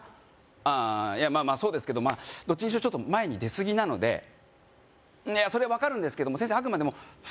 ああいやまあまあそうですけどまあどっちにしろちょっと前に出過ぎなのでいやそれは分かるんですけども先生あくまでも副担任なんで